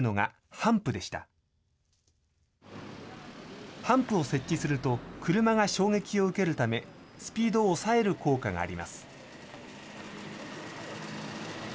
ハンプを設置すると、車が衝撃を受けるため、スピードを抑える効果があります。